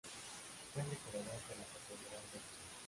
Fue el decorador de la Catedral de León.